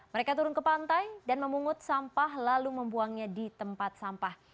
mereka turun ke pantai dan memungut sampah lalu membuangnya di tempat sampah